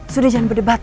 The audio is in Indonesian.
sudah jangan berdebat